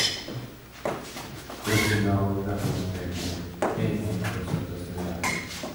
Ustinov ganó un premio Emmy por su actuación en la película.